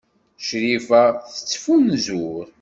Crifa ad tettfunzur.